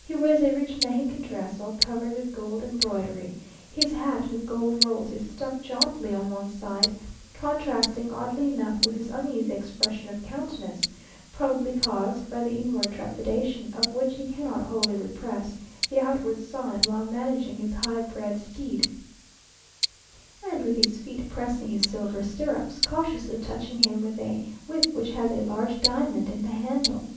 He wears a rich Mexican dress, all covered with gold embroidery; his hat with gold rolls is stuck jauntily on one side, contrasting oddly enough with his uneasy expression of countenance, probably caused by the inward trepidation of which he cannot wholly repress the outward sign while managing his high bred steed, and with his feet pressing his silver stirrups, cautiously touching him with a whip which has a large diamond in the handle.